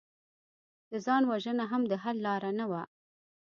د ځان وژنه هم د حل لاره نه وه